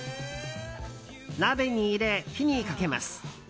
鍋に入れ、火にかけます。